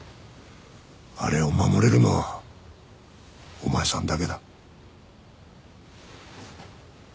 あれを守れるのはお前さんだけだ。